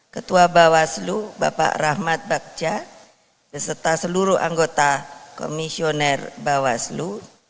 ketua bawaslu bapak rahmat bagja beserta seluruh anggota komisioner bawaslu